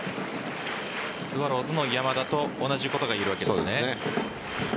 スワローズの山田と同じことが言えるわけですね。